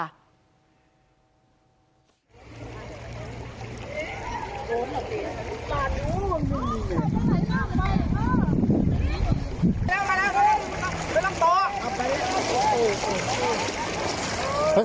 ไม่ต้องต่อ